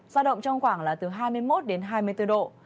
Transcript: giao động trong khoảng là từ hai mươi một đến hai mươi bốn độ